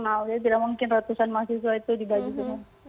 jadi tidak mungkin ratusan mahasiswa itu dibagi bagi